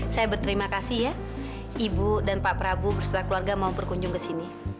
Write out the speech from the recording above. saya berterima kasih ya ibu dan pak prabu bersama keluarga mau berkunjung kesini